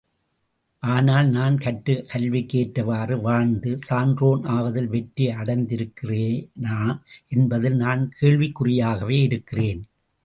ஆனால், நான் கற்றக் கல்விக்கு ஏற்றவாறு வாழ்ந்து, சான்றோன் ஆவதில் வெற்றி அடைந்திருக்கிறேனா என்பதில் நான் கேள்விக்குறியாகவே இருக்கிறேன்.